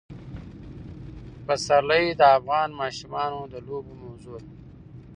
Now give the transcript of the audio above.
پسرلی د افغان ماشومانو د لوبو موضوع ده.